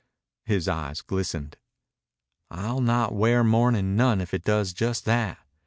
His eyes glistened. "I'll not wear mournin' none if it does just that."